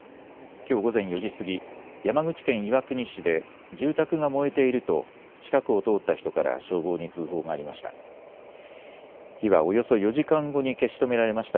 きょう午前４時過ぎ、山口県岩国市で住宅が燃えていると近くを通った人から消防に通報がありました。